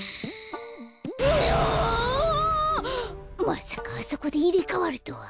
まさかあそこでいれかわるとは。